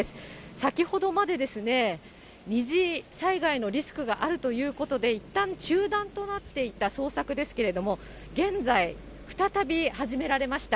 先ほどまで、二次災害のリスクがあるということで、いったん中断となっていた捜索ですけれども、現在、再び始められました。